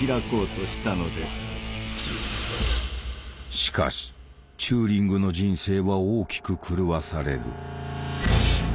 しかしチューリングの人生は大きく狂わされる。